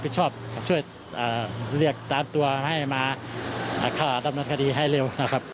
ชอบช่วยเรียกตามตัวให้มาข่าวตำรวจคดีให้เร็ว